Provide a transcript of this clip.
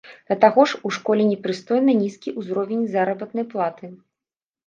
Да таго ж, у школе непрыстойна нізкі ўзровень заработнай платы.